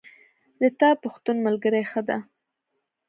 د تا پښتون ملګری ښه ده